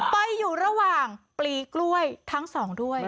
ไปอยู่ระหว่างปลีกล้วยทั้งสองด้วย